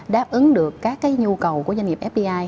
đáp ứng được các nhu cầu của doanh nghiệp fdi